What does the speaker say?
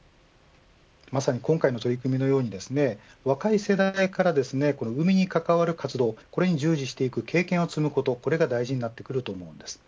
まさに今回の取り組みのように若い世代から海に関わる活動これに従事していく経験を積むことが大事になってくると思います。